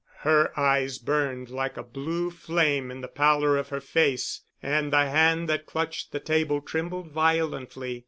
Her eyes burned like a blue flame in the pallor of her face and the hand that clutched the table trembled violently.